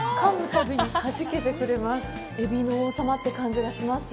たびに、はじけてくれます。